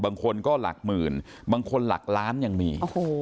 บางคนก็หลักหมื่นบางคนหลักล้านยังมี